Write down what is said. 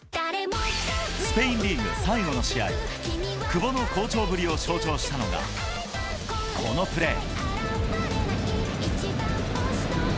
スペインリーグの最後の試合、久保の好調ぶりを象徴したのが、このプレー。